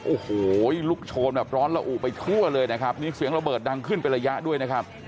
โอ้โหลุกโชนแบบร้อนละอุไปทั่วเลยนะครับมีเสียงระเบิดดังขึ้นเป็นระยะด้วยนะครับ